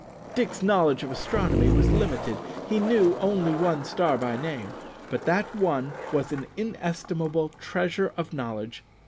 Dick's knowledge of astronomy was limited; he knew only one star by name, but that one was an inestimable treasure of knowledge.